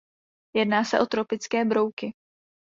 Jedná se o tropické brouky.